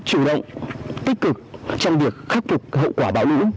chủ động tích cực trong việc khắc phục hậu quả bão lũ